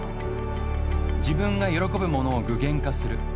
自分が喜ぶものを具現化する。